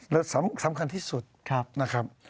และสำคัญที่สุดนะครับ